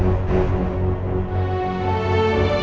hilang sakit ke yak honda